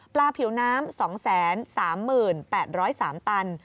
ผิวน้ำ๒๓๘๐๓ตัน